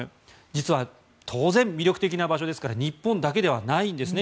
実は当然、魅力的な場所ですから日本だけではないんですね。